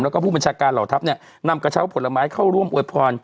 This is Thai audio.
แล้วก็ผู้บัญชาการเหล่าทัพเนี่ยนำกระเช้าผลไม้เข้าร่วมอวยพร